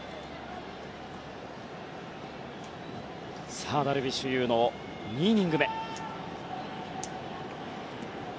さあ、ダルビッシュ有の２イニング目。